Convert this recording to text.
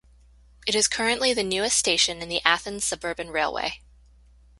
It is currently the newest station on the Athens suburban Railway.